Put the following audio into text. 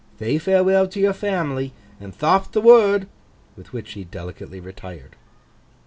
Thay farewell to your family, and tharp'th the word.' With which he delicately retired.